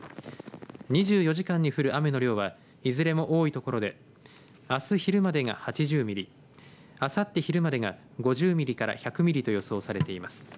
２４時間に降る雨の量はいずれも多いところであす昼までが８０ミリあさって昼までが５０ミリから１００ミリと予想されています。